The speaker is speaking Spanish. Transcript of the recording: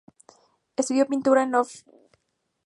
Estudió pintura con Ofelia Echagüe Vera y João Rossi.